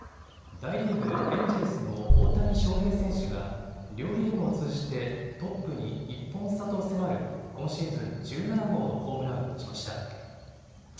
大リーグ、エンジェルスの大谷翔平選手が両リーグを通じてトップに１本差と迫る今シーズン１７号のホームランを打ちました。